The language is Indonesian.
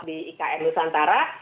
di ikm nusantara